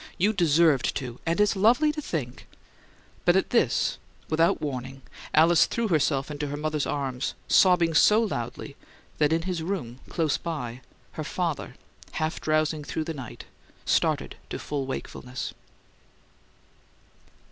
"You DESERVED to, and it's lovely to think " But at this, without warning, Alice threw herself into her mother's arms, sobbing so loudly that in his room, close by, her father, half drowsing through the night, started to full wakefulness.